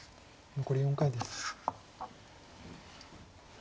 残り４回です。